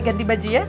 ganti baju ya